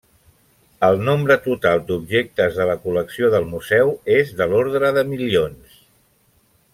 El nombre total d'objectes de la col·lecció del museu és de l'ordre de milions.